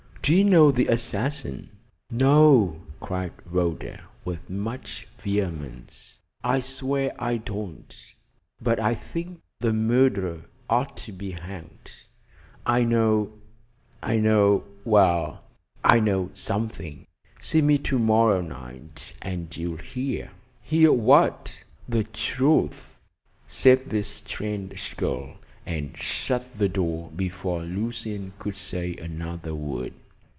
"Do you know the assassin?" "No!" cried Rhoda, with much vehemence. "I swear I don't, but I think the murderer ought to be hanged. I know I know well, I know something see me to morrow night, and you'll hear." "Hear what?" "The truth," said this strange girl, and shut the door before Lucian could say another word.